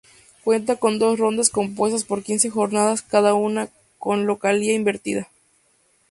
Cuenta con dos rondas compuestas por quince jornadas cada una con localía invertida.